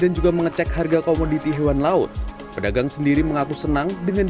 menjelang ktt ini alhamdulillah luar biasa ramainya